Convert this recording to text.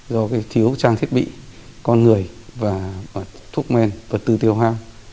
do thiếu trang thiết bị con người và thuốc men vật tư tiêu hao